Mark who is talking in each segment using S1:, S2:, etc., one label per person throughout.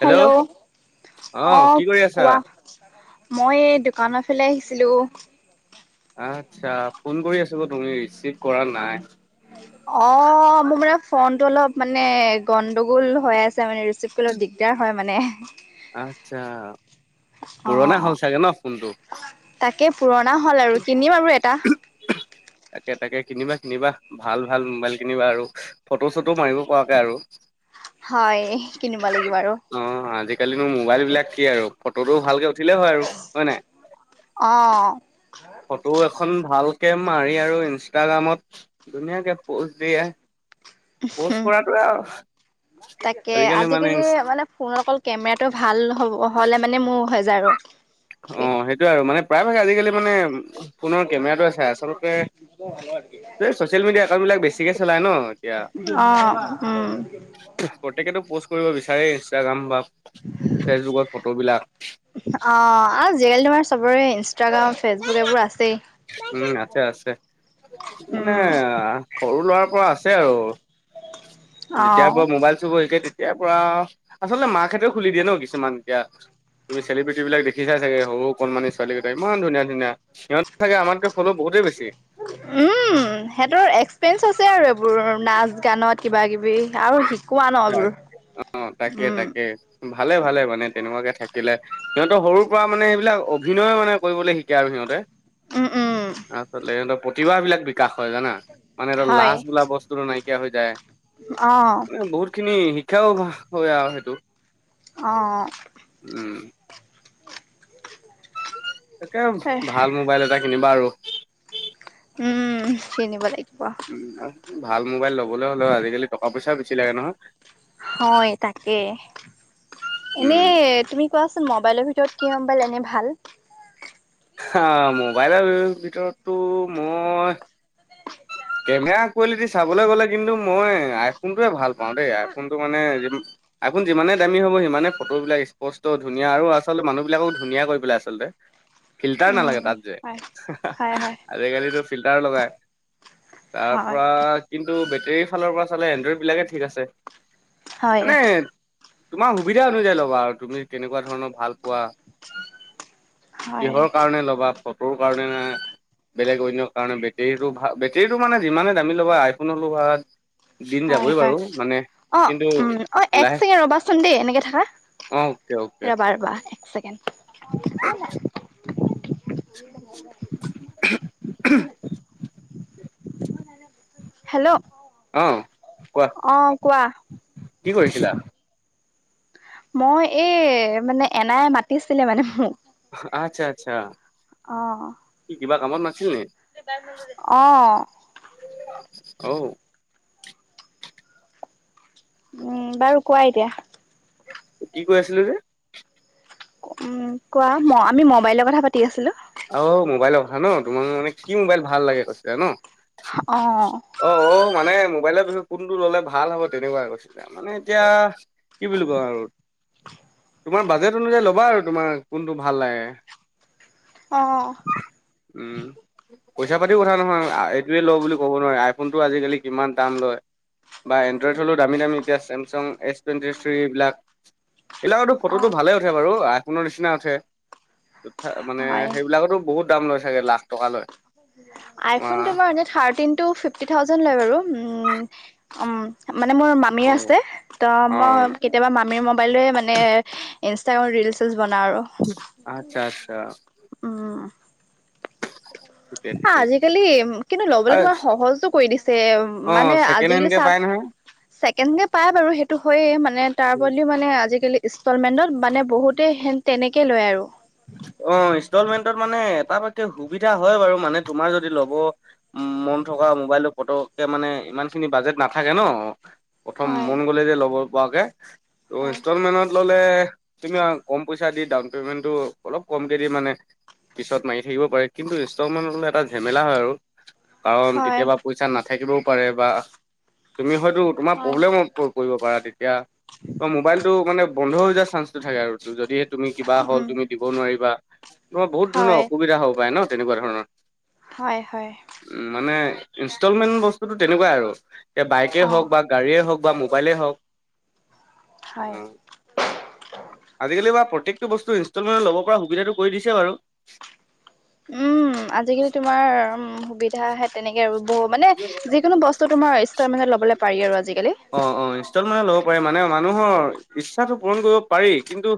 S1: Hello অ
S2: কি কৰি আছা?
S1: কোৱা। মই এই দোকানৰ ফালে আহিছিলো।
S2: আচ্ছা, ফোন কৰি আছো গ তুমি ৰিচিভ কৰা নাই।
S1: অ', মোৰ মানে ফোন টো অলপ মানে গণ্ডগোল হৈ আছে মানে ৰিচিভ দিগদাৰ হয় মানে।
S2: আচ্ছা। পুৰণা
S1: অ',
S2: হ'ল চাগে ন ফোনটো
S1: তাকে পুৰণা হ'ল আৰু কিনিম আৰু এটা।
S2: তাকে, তাকে, কিনিবা, কিনিবা। ভাল ভাল মোবাইল কিনিবা আৰু। ফটো চটো মাৰিব পৰাকৈ আৰু
S1: হয় কিনিব লাগিব আৰু
S2: অ', আজিকালো মোবাইল বিলাক কি আৰু ফটোটো ভালকে উঠিলেই হয় আৰু, হয় নাই?
S1: অ'।
S2: ফটো এখন ভালকে মাৰি আৰু ইনষ্টাগ্ৰামত ধুনীয়াকে পজ দিয়ে, পোষ্ট কৰাটোৱে আৰু
S1: তাকে আজিকালি মানে ফোন অকল কেমেৰাটো ভাল হ'ব হ'লে মানে মোৰ হৈ যাই আৰু।
S2: অ', সেইটোয়ে আৰু মানে প্ৰায়ভাগে আজিকালি মানে ফোনৰ কেমেৰাটো এ চাই আচলতে, চচিয়েল মিডিয়া একাউণ্ট বিলাক বেছিকে চলাই ন'। এতিয়া
S1: অ', উম।
S2: প্ৰত্যেকেতো প'ষ্ট কৰিব বিচাৰে ইনষ্টাগ্ৰাম বা ফেচবুকত ফটোবিলাক।
S1: অ', আজিকালি তোমাৰ চবৰে ইনষ্টাগ্ৰাম, ফেচবুক এইবোৰ আছেই।
S2: উম, আছে, আছে, মানে
S1: উম
S2: সৰু ল'ৰাৰ পৰা আছে আৰু। যেতিয়াৰ
S1: অ'
S2: পৰা মোবাইল চুব শিকে তেতিয়াৰ পৰা, আচলতে মাকহতেও খুলি দিয়ে ন' কিছুমান এয়া। তুমি চেলিব্ৰিটি বিলাক দেখিচাই চাগে, সৰু কণমানি ছোৱালীকেইটা, ইমান ধুনীয়া, ধুনীয়া, সিহঁতে চাগে আমাতকৈ বহুতেই বেছি।
S1: উম সিহঁতৰ এক্সপিৰিয়েঞ্চ আছে আৰু এইবোৰ নাচ গানত। কিবা কিবি আৰু শিকোৱা ন' এইবোৰ।
S2: অ', তাকে,
S1: উম,
S2: তাকে, ভালে, ভালে মানে তেনেকুৱাকে থাকে। থাকে, সিহঁতৰ সৰুৰ পৰা মানে সেইবিলাক অভিনয় মানে কৰিবলৈ শিকে আৰু সিহঁতে।
S1: উম, উম,
S2: আচলতে সিহঁতৰ প্ৰতিভাবিলাক বিকাশ হয় জানা, মানে সিহঁতৰ
S1: হয়
S2: লাজ বোলা বস্তু টো নাইকিয়া হৈ যায়।
S1: অ'।
S2: বহুত খিনি শিক্ষাও হয় আৰু সেইটো।
S1: অ'।
S2: উম। তাকে ভাল মোবাইল এটা কিনিবা আৰু।
S1: উম, কিনিব লাগিব।
S2: উম, ভাল মোবাইল লবলৈ হ'লেও আজিকালি টকা পইচা বেছি লাগে নহয়।
S1: হয়, তাকেই, এনে
S2: উম
S1: তুমি কোৱাচোন মোবাইলৰ ভিতৰত কি মোবাইল এনে ভাল?
S2: মোবাইলৰ ভিতৰততো মই কেমেৰা কোৱালিটি চাবলৈ গ'লে কিন্তু মই, আইফোনটোৱে ভাল পাওঁ দেই, আইফোনটো মানে আইফণ যিমানে দামী হ'ব সিমানে ফটোবলাক স্পষ্ট, ধুনীয়া আৰু আচলতে মানুহবিলাককো ধুনীয়া কৰি পেলাই আচলতে। ফিল্টাৰ
S1: উম,
S2: নালাগে তাত যে,
S1: হয়, হয়, হয়,
S2: আজিকালিটো ফিল্টাৰ লগাই। তাৰ
S1: হয়,
S2: পৰা কিন্তু বেটেৰীৰ ফালৰ পৰা চালে এনড্ৰইড বিলাকে ঠিক আছে।
S1: হয়,
S2: মানে তোমাৰ সুবিধা অনুযায়ী ল'বা আৰু তুমি কেনেকুৱা ধৰণৰ ভাল পোৱা।
S1: হয়,
S2: কিহৰ কাৰণে ল'বা ফটোৰ কাৰণে নে বেলেগ অন্যৰ কাৰণে, বেটেৰীটো ভ বেটেৰীটো মানে যিমানে দামী ল'বা আইফোন লগোৱা দিন
S1: হয়,
S2: যাবই
S1: হয়।
S2: বাৰু, মানে
S1: অ',
S2: কিন্তু
S1: উম, অ', এক
S2: লাহ
S1: ছেকেণ্ড ৰ'বাচোন দেই এনেকে থাকা
S2: অকে, অকে।
S1: ৰ'বা ৰ'বা এক ছেকেণ্ড।
S2: [unintelligible]
S1: হেল্ল'।
S2: অ', কোৱা,
S1: অ', কোৱা।
S2: কি কৰিছিলা?
S1: মই এই মানে এনাই মাতিছিলে মানে মোক।
S2: আচ্ছা আচ্ছা।
S1: অ'।
S2: কি কিবা কামত নাছিল নেকি?
S1: অ'।
S2: অও।
S1: উম, বাৰু কোৱা এতিয়া।
S2: কি কৈ আছিলো যে?
S1: উম, কোৱা আমি মোবাইলৰ কথা পাতি আছিলো।
S2: অ', মোবাইলৰ কথা ন, তোমাৰ মানে কি মোবাইল ভাল লাগে কৈছিলা ন?
S1: অ'।
S2: অ', অ', মানে মোবাইলৰ বিষয়ে কোনটো ল'লে ভাল হ'ব তেনেকুৱা কৈছিলা। মানে এতিয়া কি বুলি কম আৰু তোমাৰ বাজেট অনুযায়ী ল'বা আৰু তোমাৰ কোনটো ভাল লাগে।
S1: অ'।
S2: উম। পইচা পাতিও কথা নহয় এইটোৱে লওঁ বুলি ক'ব নোৱাৰে আইফোনটো আজিকালি কিমান দাম লয়। বা এনড্ৰইড হ'লেও দামী দামী এতিয়া চেমচাং এছ টুৱেণ্টি থ্ৰী এইবিলাক। এইবিলাকৰতো ফটোটো
S1: অ',
S2: ভালে উঠে বাৰু আইফোনৰ নিচিনা উঠে। তাৰ মানে
S1: হয়
S2: সেইবিলাকতো বহুত দাম লৈ ছাগে লাখ টকা লয়। অ
S1: আইফোনটো তোমাৰ এনে থাৰ্তিনটো ফিফটি থাউজেড লয় বাৰু মানে মোৰ মামী
S2: অ
S1: আছে। ত'
S2: অ
S1: মই কেতিয়াবা মামীৰ মোবাইটোৱে মানে ইনষ্টাগ্ৰামত ৰিলচিছ বনাওঁ আৰু।
S2: আচ্ছা আচ্ছা।
S1: উম।
S2: ঠিকে ঠিকে ঠিকে
S1: আজিকালি কিন্তু লবলৈ
S2: আৰু
S1: তোমাৰ
S2: অ
S1: সহজো কৰি দিছে। মানে আজিকালি
S2: পায় নহয়।
S1: ছেকেণ্ডকে পায় বাৰু সেইটো হয়য়ে মানে তাৰ বদলিও মানে আজিকালি ইনষ্টলমেণ্টত মানে বহুতেই তেনেকে লয় আৰু।
S2: অ', ইনষ্টলমেন্টত মানে এটা পাকে সুবিধা হয় বাৰু মানে তোমাৰ যদি ল'ব উম, মন থকা মোবাইলৰ পতকে মানে ইমানখিনি বাজেট নাথাকে ন। প্ৰথম
S1: হয়
S2: মন গ'লে যে ল'ব পৰাকৈ ত'
S1: হয়
S2: ইনষ্টলমেণ্টত ল'লে তুমি কম পইচা দি ডাউন পেমেন্টটো অলপ কমকেদি মানে পিছত মাৰি থাকিব পাৰি। কিন্তু ইনষ্টলমেন্টত এটা ঝেমেলা হয় আৰু। কাৰণ
S1: হয়
S2: কেতিয়াবা পইচা নাথাকিবও পাৰে বা তুমি হয়তো তোমাৰ
S1: হয়
S2: প্ৰব্লেমত কৰিব পাৰা তেতিয়া ত' মোবাইলতটো মানে বন্ধ হৈ যোৱাৰ চান্সটো থাকে আৰু। যদিহে তুমি কিবা হ'ল
S1: উম
S2: তুমি দিব নোৱাৰিবা তোমাৰ বহুত
S1: হয়
S2: ধৰণৰ অসুবিধা হ'ব পাৰে ন তেনেকুৱা ধৰণৰ।
S1: হয়, হয়।
S2: উম, মানে ইনষ্টলমেণ্ট বস্তুতটো তেনেকুৱাই আৰু এ বাইকে
S1: অ
S2: হওঁক বা গাড়ীয়ে হওঁক বা মোবাইলে হওঁক।
S1: হয়।
S2: আজিকালি বা প্ৰত্যেকটো বস্তু ইনষ্টলমেণ্ট ল'ব পৰা সুবিধাটো কৰি দিছো বাৰু।
S1: উম, আজিকালি তোমাৰ সুবিধা হে তেনেকে আৰু বহু মানে যিকোনো বস্তু তোমাৰ ষ্টলমেন্টত ল'বলৈ পাৰি আৰু আজিকালি।
S2: অ', অ', ইনষ্টলমেণ্ট ল'ব পাৰি মানে মানুহৰ ইচ্ছাটো পূৰণ কৰিব পাৰি। কিন্তু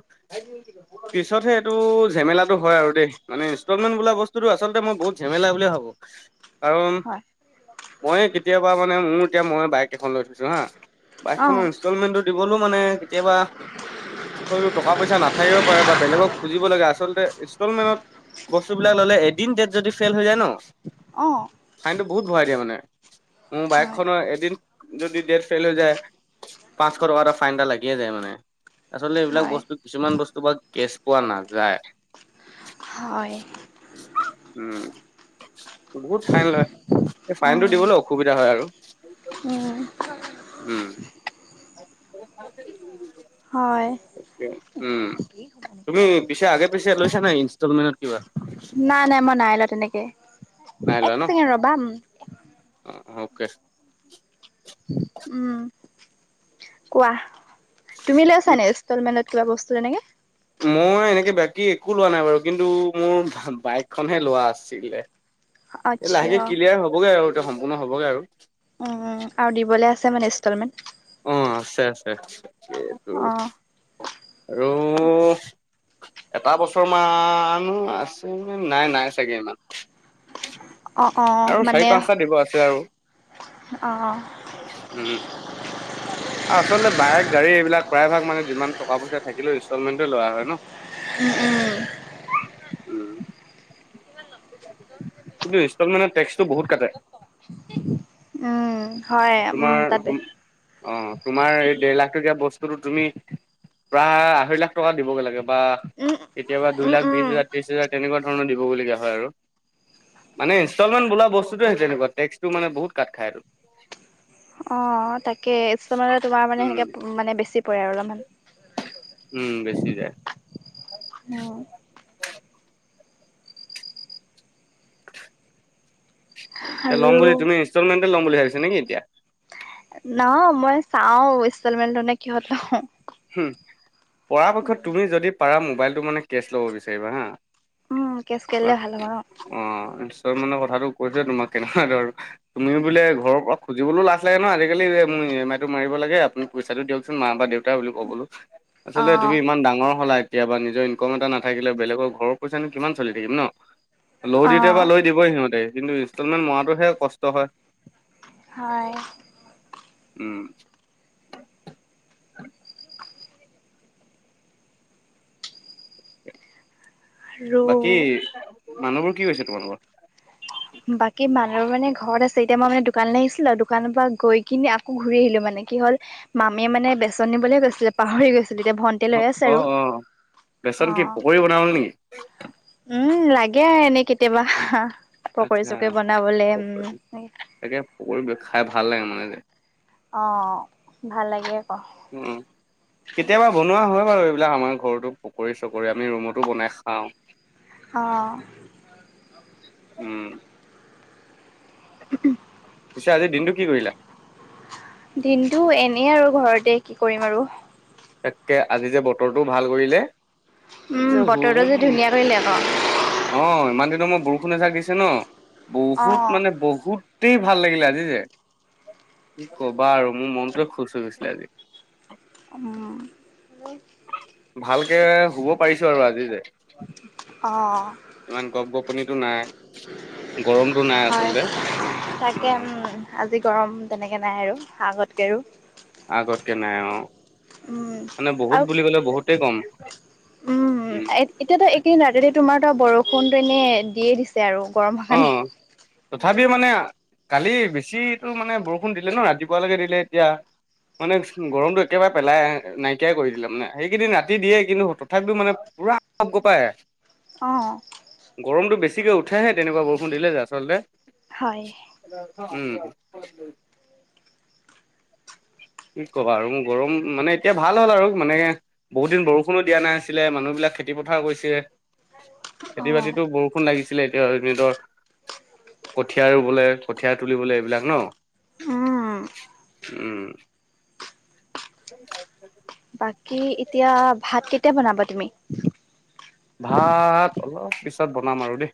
S2: পিছতহে এইটো জেমেলাতো হয় আৰু দেই মানে ইনষ্টলমেণ্ট বোলা বস্তুটো আচলতে মই বহুত জেমেলা বুলিয়ে ভাবো। [inaudible] কাৰণ
S1: হয়
S2: মই কেতিয়াবা মানে মোৰ এতিয়া মই বাইক এখন লৈ থৈছো হা।
S1: অ
S2: বাইকখনৰ ইনষ্টলমেন্টটো দিবলৈও মানে কেতিয়াবা হয়তো টকা পইচা নাথাকিব পাৰে বা বেলেগক খুজিব লাগে আচলতে ইনষ্টলমেণ্টত বস্তু বিলাক ললে এদিন ডেট যদি ফেইল হৈ যায় ন
S1: অ'
S2: ফাইনটো বহুত ভৰাই দিয়া মানে মোৰ
S1: হয়
S2: বাইকখনৰ এদিন যদি ডেট ফেইল হৈ যায় পাঁচশ টকাৰ ফাইন এটা লাগিয়ে যায় মানে আচলতে এইবিলাক
S1: হয়
S2: বস্তু কিছুমান বস্তু বা কেছ পোৱা নাযায়।
S1: হয়।
S2: উম বহুত ফাইন লয় এই ফাইনটো
S1: উম
S2: দিব লও অসুবিধা হয় আৰু।
S1: উম
S2: উম [inaudible]
S1: হয়।
S2: উম তুমি পিছে আগে পিছে লৈছা নাই ইনষ্টলমেন্টত কিবা
S1: নাই নাই মই নাইলোৱা তেনেকে
S2: নাই
S1: এক
S2: লোৱা ন
S1: ছেকেণ্ড ৰ'বা
S2: অকে
S1: উম কোৱা তুমি লৈছা নে নেষ্টলমেণ্টত কিবা বস্তু তেনেকৈ
S2: মই এনেকে বাকী একো লোৱা নাই বাৰু কিন্তু মোৰ বাইকখনহে লোৱা আছিলে এ লাহেকে
S1: আচ্ছা
S2: ক্লিয়াৰ হ'বগে আৰু এতিয়া সম্পূৰ্ণ হবগে আৰু
S1: উম আৰু দিবলৈ আছে মানে ইনষ্টলমেণ্ট
S2: অ', আছে আছে সেইটো
S1: অ
S2: আৰু এটা বছৰ মান আছে নাই নাই চাগে ইমান
S1: অ অ
S2: আৰু
S1: মানে
S2: চাৰি পাঁচটা দিব আছে আৰু
S1: অ'
S2: উম আচলতে বাইক গাড়ী এইবিলাক প্ৰায়ভাগ মানে যিমান টকা পইচা থাকিলে ইনষ্টলমেণ্টে লোৱা হয় ন
S1: [inaudible]
S2: উম কিন্তু ইনষ্টলমেণ্টত টেক্সটো বহুত কাটে
S1: [inaudible] [inaudible] উম
S2: তোমাৰ
S1: তাতে
S2: অ', তোমাৰ এই দেৰ লাখ বস্তুটোতো তুমি প্ৰায় আঢ়ৈ লাখ টকা দিবগে লাগে বা
S1: উম
S2: কেতিয়াবা দুই
S1: উম
S2: লাখ
S1: উম
S2: বিশ হাজাৰ ত্ৰিশ হাজাৰ তেনেুৱ ধণ দিবলগীয়া হয় আৰু মানে ইনষ্টলমেন্ত বোলা ববস্তটোৱেই তেনেুকোৱা টেক্সটো মানে বহুত কাট খায়টো
S1: অ' তাকে এই তোমাৰ মানে
S2: উম
S1: সেনেকে মানে বেছি পৰে আৰু অলপমান
S2: উম বেছি যায়।
S1: [inaudible]
S2: [inaudible] এতি ল'ম
S1: আৰু
S2: তুমি ইনষ্টলমেণ্টে ল'ম ভাবিচা নেকি এতিয়া
S1: নহয় মই চাও ষ্টলমেনেত নে কিহত লওঁ
S2: উম পৰাপক্ষত তুমি যদি পাৰা মোবাইলটো মানে কেচ ল'ব বিচাৰিবা হা
S1: উম কেচ কেলে ভাল হ'ব নহ
S2: অ', ইষ্টলমেনেতৰ কথাটো কৈচো তোমাক কেনেকুৱা আৰু তুমি বোলে ঘৰ পৰা খুজিবলৈ লাজ লাগে ন আজিকি মোৰ ই এমইটো মাৰিব লাগে আপুনি পইচাটো দিয়কচুন মা বা দেউতাক। বুলি ক'বলো
S1: অ
S2: আচলতে তুমি ইমান ডাঙৰ হলা কেতিয়া নিজৰ ইনকম এটা নাথাকিলে বেলেগৰ ঘৰৰ পইচানো কিমান চলি থাকিম ন ল
S1: অ
S2: দিতি বা লৈ দিবই সিহঁতে কিন্তু ইনষ্টলমেণ্ট মৰাটোহে কষ্ট হয়।
S1: হয়।
S2: উম বাকী
S1: আৰু
S2: মানুহবোৰ কি কৈছে তোমালোকৰ
S1: বাকী মানুহৰ মানে ঘৰত আছে এতিয়া মই মানে দোকানলৈ আহিছিলো আৰু দোকানৰ পৰা গৈ কিনি আকৌ ঘূৰি আহিলো মানে কি হ'ল মামীয়ে মানে বেচন নিবলৈ কৈছিলে পাহৰি গৈছিলো এতিয়া ভন
S2: অ', অ', অ' বেচন কি পকৰী বনাবলৈ নেকি?
S1: উম লাগে এনেই কেতিয়াবা পকৰী
S2: আচ্ছা
S1: চকৰি বনাবলে উম।
S2: পকৰী তাকে পকৰী খাই ভাল লাগে মানে যে।
S1: অ' ভাল লাগে আকৌ।
S2: উম। কেতিয়াবা বনোৱা হয় বাৰু এইবিলাক আমাৰ ঘৰতো পকৰী চকৰি আমি ৰুমতো বনাই খাওঁ। [inaudible]
S1: অ'।
S2: উম।
S1: [unintelligible]
S2: পিছে আজিৰ দিনটো কি কৰিলা?
S1: দিনটো এনেই আৰু ঘৰতে কি কৰিম আৰু।
S2: তাকে আজি যে বতৰটোও ভাল কৰিলে। যে
S1: উম বতৰটো যে ধুনীয়া কৰিলে আকৌ।
S2: অ' ইমান দিনৰ মূৰক বৰষুণ এজাক দিছে ন
S1: অ
S2: বহুত মানে বহুত [unintelligible] ভাল লাগিলে আজি যে কি কবা আৰু মোৰ মনটোৱে খুচ হৈ গৈছিলে আজি।
S1: উম।
S2: ভালকে শুব পাৰিছো আৰু আজি যে।
S1: অ'।
S2: ইমান গপ গপনিটো নাই, গৰমটো নাই
S1: হয়
S2: আচলতে।
S1: তাকে উম। আজি গৰম তেনেকে নাই আৰু আগতকে আৰু।
S2: আগতকে নাই অ',
S1: উম
S2: মানে বহুত
S1: আৰু
S2: বুলি ক'লে বহুতেই কম।
S1: উম এতিয়াতো এইকেইদিন ৰাতিতে তোমাৰ তো বৰষুণ টো এনে দিয়ে দিছে। আৰু গৰমৰ কাৰণে
S2: অ' তথাপিও মানে কালি বেছিটো মানে বৰষুণ দিলে ন ৰাতিপুৱালৈকে দিলে এতিয়া। মানে গৰমটো একেবাৰে পেলাই নাইকিয়াই কৰি দিলে মানে সেইকেইদিন ৰাতি দিয়ে কিন্তু তথাপিও মানে পুৰা গপ গপাই।
S1: অ'।
S2: গৰমটো বেছিকে উঠেহে তেনেকুৱা বৰষুণ দিলে যে আচলতে।
S1: হয়
S2: উম। কি কবা আৰু গৰম মানে এতিয়া ভাল হ'ল আৰু মানে বহুত দিন বৰষুণো দিয়া নাই আছিলে মানুহ বিলাক খেতি পথাৰ কৰিছিল
S1: অ
S2: খেতি বাতিতো বৰ ফোন লাগিছিলে এতিয়া এতৰ কঁঠীয়া ৰুবলে কঁঠীয়া তুলিবলে এইবিলাক ন
S1: উম
S2: উম। [unintelligible]
S1: বাকী এতিয়া ভাত কেতিয়া বনাবা তুমি?
S2: ভাত অলপ পিছত বনাম আৰু দেই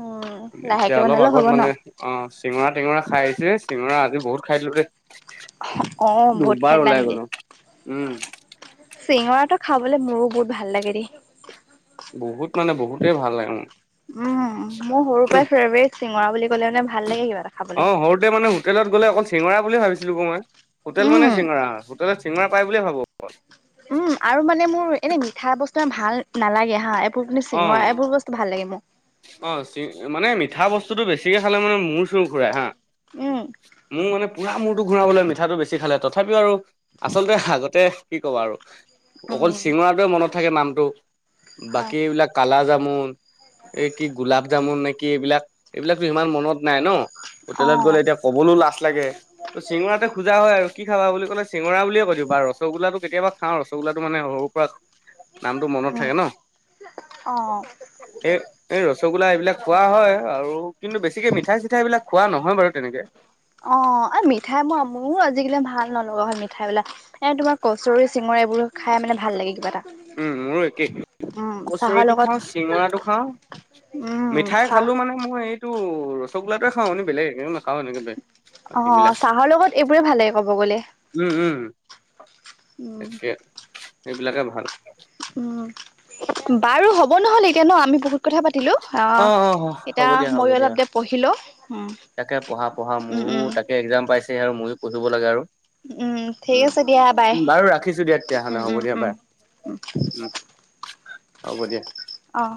S1: উম
S2: এতিয়া
S1: লাহেকে
S2: অলপ
S1: বনালেও
S2: আগত
S1: হ'ব ন
S2: মানে অ' চিঙৰা টিঙৰা খাই আহিছে চিঙৰা আজি বহুত খাই দিলো দে
S1: অ বহুত খাই
S2: দুবাৰ
S1: দিলা
S2: ওলাই
S1: নেকি
S2: গ'লো উম
S1: চিঙৰাটো খাবলে মোৰো বহুত ভাল লাগে দেই
S2: বহুত মানে বহুতেই ভাল লাগে মোৰ
S1: উম মোৰ সৰুৰ পৰাই ফেভৰেট চিঙৰা বুলি ক'লে মানে ভাল লাগে কিবা এটা খাবলে
S2: অ', সৰুতে মানে হোটেলত গ'লে অকল চিঙৰা বুলি ভাবিছিলো আ মই হোটেল মানে
S1: উম
S2: চিঙৰা ততে চিঙৰা পাই বুলিয়ে ভাবো
S1: উম আৰু মানে মোৰ এনেই মিঠা বস্তু ভাল নালাগে হা এইবোৰ কিন্তু
S2: অ
S1: চিঙৰা এইবোৰ বস্তু ভাল লাগে মোক
S2: অ', চি মানে মিঠা বস্তুতটো বেছিকে খালে মানে মূৰ চুৰ ঘূৰাই হা
S1: উম',
S2: মোৰ মানে পুৰা মূৰটো ঘূৰাবলৈ মিঠাটো বেছি খালে। তথাপিও আৰু আচলতে আগতে কি কবা আৰু অকল
S1: উম
S2: চিঙৰাটোৱে মনত থাকে নামটো
S1: হয়
S2: এই এইবিলাক কালা জামুন এই কি গোলাপ জামুন নে কি এইবিলাক এইবিলাকো সিমান মনত নাই ন
S1: অ
S2: হোটেলত গ'লে এতিয়া ক'বলৈও লাজ লাগে। ত চিঙৰাতে খোজা হয় আৰু কি খাবা বুলি ক'লে চিঙৰাুলিয় কৈ দিবা ৰসগলটো কেতিয়াবা হা ৰসগোল্লাটো মানে সৰুৰ পৰা নামটো মনত
S1: উম
S2: থাকে ন।
S1: অ',
S2: এই, এই, ৰসগোল্লা এইবিলাক খোৱা হয়। আৰু কিন্তু বেছিকে মিঠাই চিঠাই এইবিলাক খোৱা নহয় বাৰু তেনেকে।
S1: অ', মিঠাই মই মোৰ আজিকালি ভাল নলগা হয়। মিঠাই বলাক এ, তোমাৰ কচৰি চিঙৰা এইবোৰ খাই মানে ভাল লাগে। কিবা এটা
S2: উম, মোৰো একেই
S1: উম চাহৰ
S2: কচৰিটো
S1: লগত
S2: খাওঁ। চিঙৰাটো খাওঁ।
S1: উম
S2: মিঠাই
S1: খা
S2: খালো মানে মই এইটো ৰগো্লটোয় খাও এ বেলেগ এক [unintelligible]
S1: অ', চাহৰ লগত এইবোৰে ভাল লাগে ক'ব গ'লে
S2: উম, উম,
S1: উম
S2: তে এইবিলাকে ভাল
S1: উম, বাৰু হ'ব নহলে এতিয়া ন আমি বহুত কথা পাতিলো অ,
S2: অ হ'ব
S1: এতিয়া
S2: দিয়া হ'ব
S1: ময়ো
S2: দিয়া
S1: অলপ দে পঢ়িলো উ।
S2: তাকে পঢ়া, পঢ়া, মোৰো তাকে এক্জাম পাইছে [unintelligible] [unintelligible] পঢ়িব লাগে আৰু
S1: উম ঠিক
S2: উ
S1: আছে দিয়া বাই
S2: বাৰু ৰাখিছো দিয়া
S1: উম
S2: তেতিয়াহলে
S1: উম
S2: হ'ব দিয়া বাৰ
S1: উম,
S2: হব দিয়া।
S1: অ',